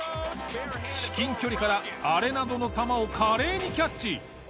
至近距離からアレナドの球を華麗にキャッチ。